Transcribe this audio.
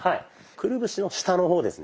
くるぶしの下の方ですね。